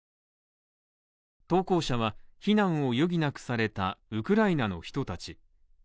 投稿者は、避難を余儀なくされたウクライナの人たち。